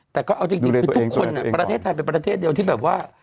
แต่ก็เอาจริงคือทุกคนประเทศไทยเป็นประเทศเดียวที่แบบว่า